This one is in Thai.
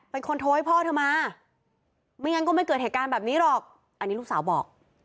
เป็นคนโทรให้พ่อเธอมาไม่งั้นก็ไม่เกิดเหตุการณ์แบบนี้หรอกอันนี้ลูกสาวบอก